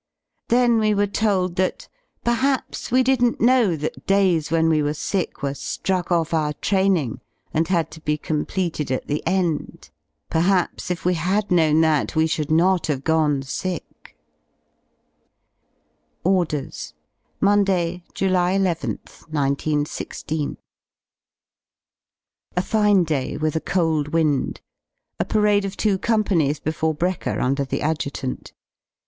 Then we were told that perhaps we didnt know that days when we were sick were Uruck off our tramtngandhadto be completed at the end; perhaps if we had known that we should not have gone sick 40 ORDERS Monday, July nth, 191 6. A fine day with a cold wind. A parade of two Companies before brekker under the Adjutant.